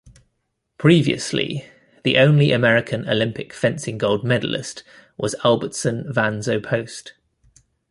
Previously the only American Olympic fencing gold medalist was Albertson Van Zo Post.